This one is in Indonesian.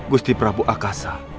gusti prabu akasa